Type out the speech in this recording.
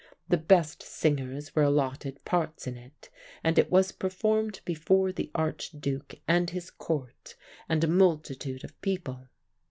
The best singers were allotted parts in it, and it was performed before the Arch Duke and his Court, and a multitude of people.